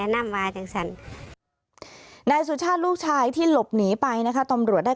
ในสุชาติลูกชายที่หลบหนีไปนะคะตำรัวได้